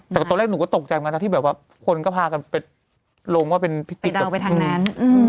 แต่ตอนแรกหนูก็ตกใจนะทีว่าคนก็พากันไปลงไปดาวไปทางนั้น